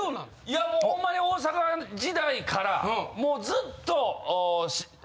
いやもうほんまに大阪時代からもうずっとＭＣ。